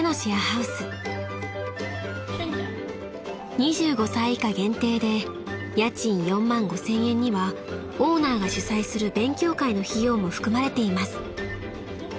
［２５歳以下限定で家賃４万５，０００円にはオーナーが主催する勉強会の費用も含まれています］